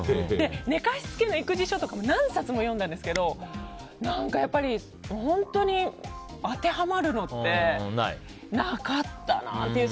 寝かしつけの育児書とかも何冊も読んだんですけど本当に当てはまるのってなかったなっていう。